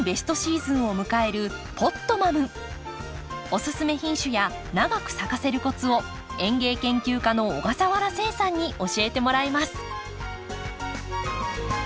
おすすめ品種や長く咲かせるコツを園芸研究家の小笠原誓さんに教えてもらいます。